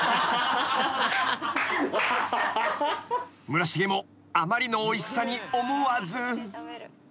［村重もあまりのおいしさに思わず］